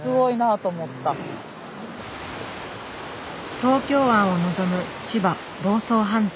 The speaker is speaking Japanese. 東京湾をのぞむ千葉房総半島。